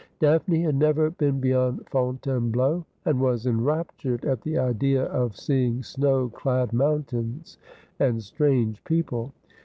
Daphne had never been beyond Fontainbleau, and was en raptured at the idea of seeing snow clad mountains and strange people.